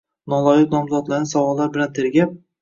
noloyiq nomzodlarni savollar bilan tergab